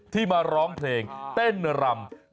ที่มาร้องเพลงเต้นรำ